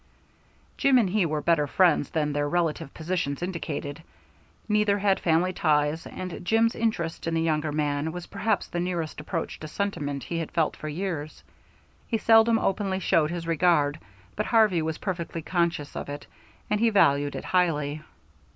Jim and he were better friends than their relative positions indicated. Neither had family ties, and Jim's interest in the younger man was perhaps the nearest approach to sentiment he had felt for years. He seldom openly showed his regard, but Harvey was perfectly conscious of it, and he valued it highly.